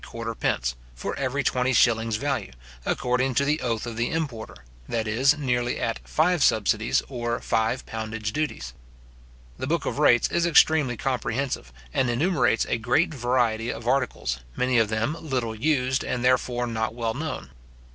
for every twenty shillings value, according to the oath of the importer, that is, nearly at five subsidies, or five poundage duties. The book of rates is extremely comprehensive, and enumerates a great variety of articles, many of them little used, and, therefore, not well known.